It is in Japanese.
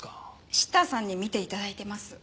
シッターさんに見て頂いてます。